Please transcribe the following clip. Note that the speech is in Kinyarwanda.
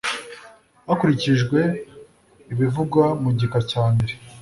hakurikijwe ibivugwa mu gika cyambere